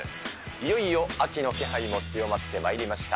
いよいよ秋の気配も強まってまいりました。